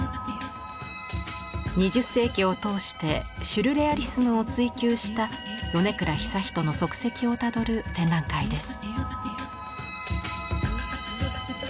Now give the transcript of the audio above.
２０世紀を通してシュルレアリスムを追求した米倉壽仁の足跡をたどる展覧会です。